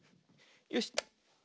よし。